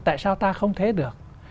tại sao ta không thế được